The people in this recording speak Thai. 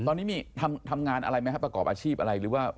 ตอนนี้มีทำงานอะไรไหมครับประกอบอาชีพอะไรหรือว่า